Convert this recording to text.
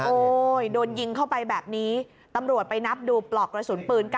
โดนยิงเข้าไปแบบนี้ตำรวจไปนับดูปลอกกระสุนปืน๙